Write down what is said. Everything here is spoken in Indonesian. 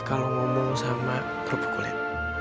kalau ngomong sama kerupuk kulit